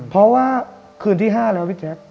เพราะว่าคืนที่๕แล้วพี่แจ๊ค